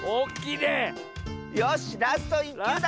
よしラスト１きゅうだ！